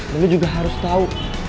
dan lu juga harus tau